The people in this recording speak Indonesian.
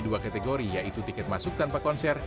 dua kategori yaitu tiket masuk tanpa konser